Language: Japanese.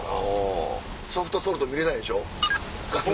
ソフトソルト見れないんでしょ？